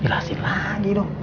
jelasin lagi dong